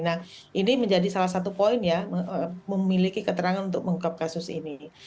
nah ini menjadi salah satu poin ya memiliki keterangan untuk mengungkap kasus ini